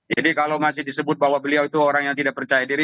jadi kalau masih disebut bahwa beliau itu orang yang tidak percaya diri